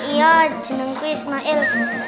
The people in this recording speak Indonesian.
iya jenengku ismail